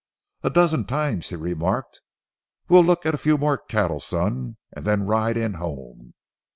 A dozen times he remarked, "We'll look at a few more cattle, son, and then ride in home."